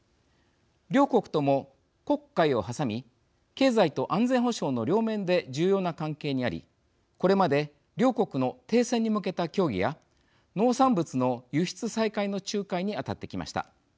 両国とも黒海を挟み経済と安全保障の両面で重要な関係にありこれまで両国の停戦に向けた協議や農産物の輸出再開の仲介に当たってきました。